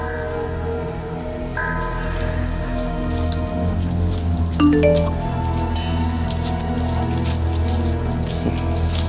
tidak ada yang bisa diberikan